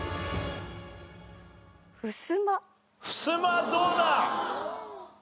ふすまどうだ？